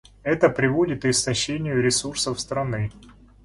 Это приводит к истощению ресурсов страны.